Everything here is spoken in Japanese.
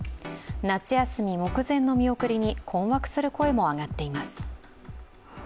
夏休み目前の見送りに困惑する声も上がっています。